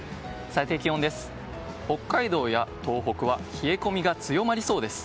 最低気温です。